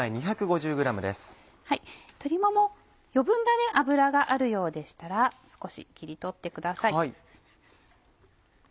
鶏もも余分な脂があるようでしたら少し切り取ってください。